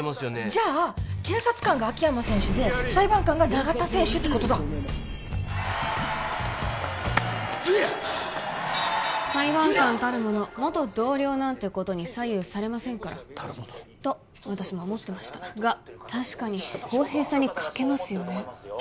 じゃあ検察官が秋山選手で裁判官が永田選手ってことだゼア！裁判官たるもの元同僚なんてことに左右されませんからたるものと私も思ってましたが確かに公平さに欠けますよね